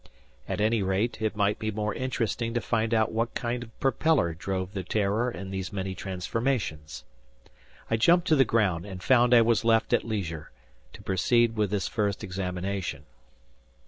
At any rate, it might be more interesting to find out what kind of propeller drove the "Terror" in these many transformations. I jumped to the ground and found I was left at leisure, to proceed with this first examination.